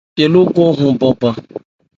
Bhye lókɔn yɔn banban.